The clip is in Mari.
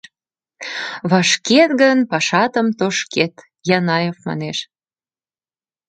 Вашкет гын, пашатым тошкет, — Янаев манеш.